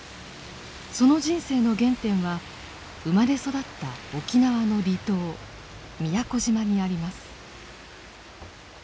その人生の原点は生まれ育った沖縄の離島宮古島にあります。